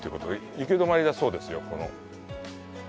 行き止まりだそうですよ、この。